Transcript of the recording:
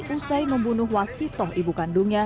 usai membunuh wasitoh ibu kandungnya